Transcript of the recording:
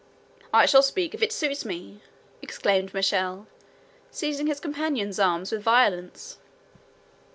"I shall speak if it suits me," exclaimed Michel, seizing his companions' arms with violence.